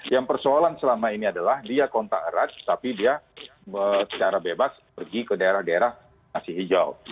yang persoalan selama ini adalah dia kontak erat tapi dia secara bebas pergi ke daerah daerah masih hijau